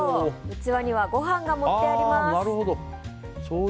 器にはご飯が盛ってあります。